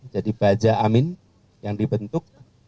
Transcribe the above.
jadi bajamin yang dibentuk